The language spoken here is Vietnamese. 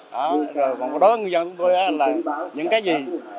còn đối với người dân tôi là những cái gì